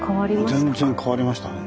全然変わりましたね。